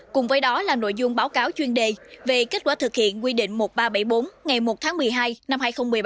cùng với đó là nội dung báo cáo chuyên đề về kết quả thực hiện quy định một nghìn ba trăm bảy mươi bốn ngày một tháng một mươi hai năm hai nghìn một mươi bảy